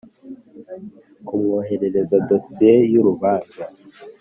Kumwoherereza dosiye y urubanza